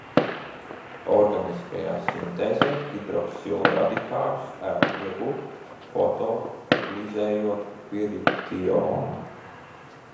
Organiskajā sintēzē hidroksilradikāļus ērti iegūt, fotolizējot piritionu.